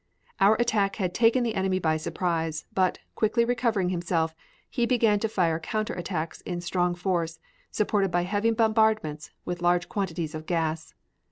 Our attack had taken the enemy by surprise, but, quickly recovering himself, he began to fire counter attacks in strong force, supported by heavy bombardments, with large quantities of gas.